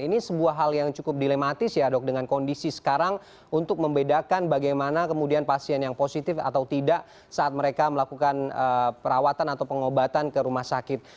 ini sebuah hal yang cukup dilematis ya dok dengan kondisi sekarang untuk membedakan bagaimana kemudian pasien yang positif atau tidak saat mereka melakukan perawatan atau pengobatan ke rumah sakit